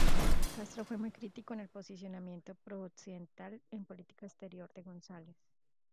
Castro fue muy crítico con el posicionamiento pro-occidental en política exterior de González.